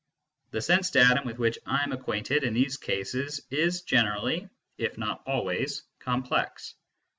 The sense datum with which I am acquainted in these cases is generally, if not always, complex.